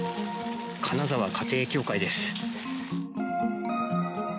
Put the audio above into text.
金沢家庭教会です。